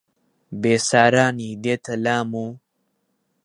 بێسارانی دێتە لام و